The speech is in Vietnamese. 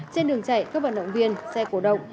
trên đường chạy các vận động viên xe cổ động